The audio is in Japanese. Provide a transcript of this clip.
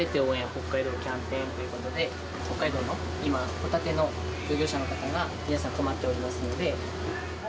北海道キャンペーンということで、北海道の今、ホタテの漁業者の方が皆さん困っておりますので。